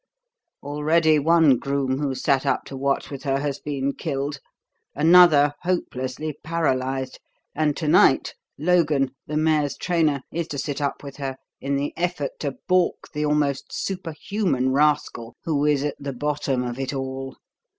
Already one groom who sat up to watch with her has been killed, another hopelessly paralysed, and to night Logan, the mare's trainer, is to sit up with her in the effort to baulk the almost superhuman rascal who is at the bottom of it all.